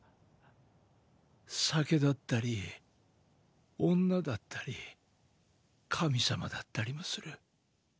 酒だったり女だったり神様だったりもする。